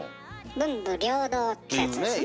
文武両道ってやつですね。